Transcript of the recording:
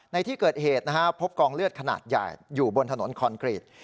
ในที่เกิดเหตุพบกองเลือดขนาดใหญ่อยู่บนถนนคอนกรีต